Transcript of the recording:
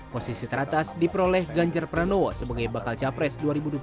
posisi teratas diperoleh ganjar pranowo sebagai bakal capres dua ribu dua puluh